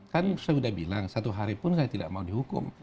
kan saya sudah bilang satu hari pun saya tidak mau dihukum